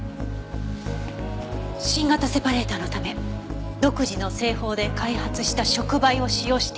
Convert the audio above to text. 「新型セパレータのため独自の製法で開発した触媒を使用している」